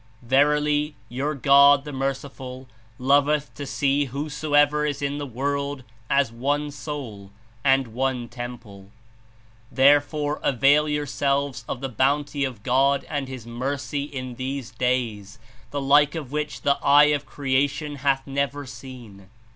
"Verily, your God, the Merciful, loveth to see whosoever is in the world as one soul and one temple; therefore avail yourselves of the Bounty of God and His Mercy in these days, the like of which the eye of creation hath never seen.